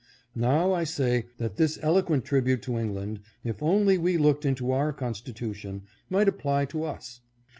Now I say that this eloquent tribute to England, if only we looked into our constitution, might apply to us.